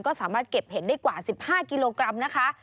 ก็สามารถเก็บเห็ดได้กว่า๑๕กิโลกรัมนะคะ